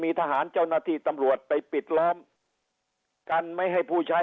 ทหารเจ้าหน้าที่ตำรวจไปปิดล้อมกันไม่ให้ผู้ใช้